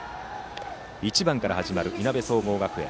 １番から始まる、いなべ総合学園。